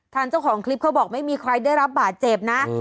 เจ้าของคลิปเขาบอกไม่มีใครได้รับบาดเจ็บนะ